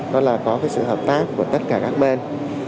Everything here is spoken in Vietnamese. đó là có cái sự hợp tác của tất cả các bên